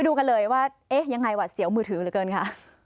ดูกันเลยว่าเอ๊ะยังไงหวัดเสียวมือถือเหลือเกินค่ะ